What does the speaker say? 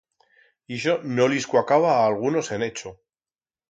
Ixo no lis cuacaba a algunos en Echo.